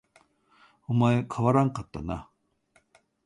お前変わらんかったな